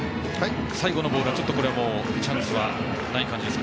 最後のボールはチャンスはない感じですか？